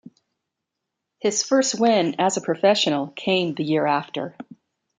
His first win as a professional came the year after.